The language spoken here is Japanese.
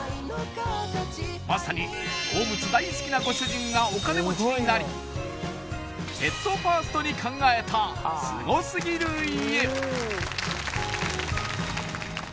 まさに動物大好きなご主人がお金持ちになりペットファーストに考えたすごすぎる家！